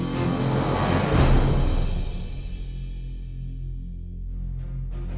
ตอนต่อไป